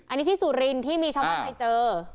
อันนี้ที่สุรินทร์ที่มีชาวบ้านไปเจอ